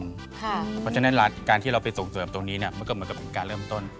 เพราะฉะนั้นการที่เราไปส่งเสริมตรงนี้มันก็เหมือนกับเป็นการเริ่มต้น